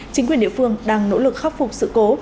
chính quyền địa phương đang nỗ lực khắc phục sự cố